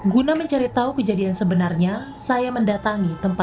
guna mencari tahu perempuan tersebut tidak mengenal pelaku dan korban